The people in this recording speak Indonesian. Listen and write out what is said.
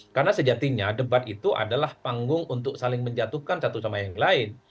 karena sejatinya debat itu adalah panggung untuk saling menjatuhkan satu sama yang lain